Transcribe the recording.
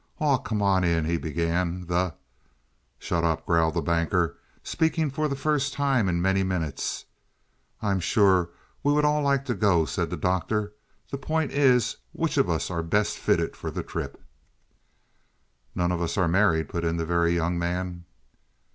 "Aw, come on in," he began, "the " "Shut up," growled the Banker, speaking for the first time in many minutes. "I'm sure we would all like to go," said the Doctor. "The point is, which of us are best fitted for the trip." "None of us are married," put in the Very Young Man.